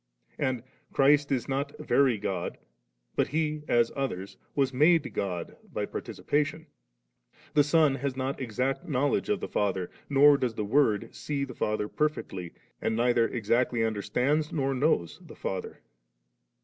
And • Christ is not very God, but He, as others, was made God by participation ; the Son has not exact knowledge of the Father, nor does the Word see the Father perfectly ; and neither exactly understands nor knows the Father.